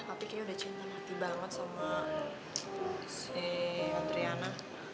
nanti kayaknya udah cinta mati banget sama si triana